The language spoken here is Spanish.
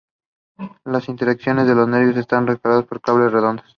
Las intersecciones de los nervios están decoradas con claves redondas.